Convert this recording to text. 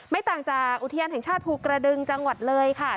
ต่างจากอุทยานแห่งชาติภูกระดึงจังหวัดเลยค่ะ